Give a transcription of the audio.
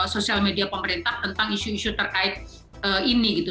sosial media pemerintah tentang isu isu terkait ini gitu